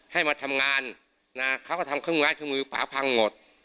ให้มาทำงานเขาก็ทำเครื่องงานที่มือป่าพังหมด